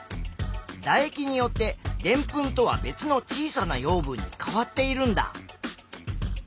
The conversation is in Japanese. だ液によってでんぷんとは別の小さな養分に変わっているんだ。